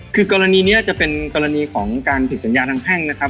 คือกรณีนี้จะเป็นกรณีของการผิดสัญญาทางแพ่งนะครับ